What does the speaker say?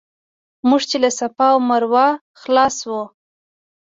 موږ چې له صفا او مروه خلاص شو.